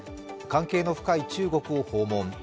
関係の深い中国を訪問。